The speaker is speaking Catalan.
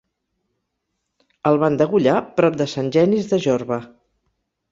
Els van degollar prop de Sant Genis de Jorba.